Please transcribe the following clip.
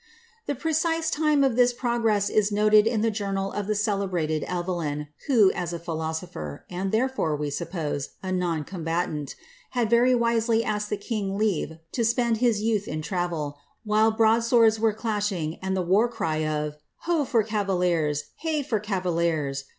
The precise time of this progress is noted in the journal of the ed brated Evelyn, who, as a philosopher, and therefore, we suppose, a no combatant, had very wisely asked the king leave to spend his youth travel, while broad swords were clashing, and the war cry of ^ Ho I caraliers! hey for cavaliers!"